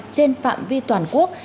trên phạm vi toàn quốc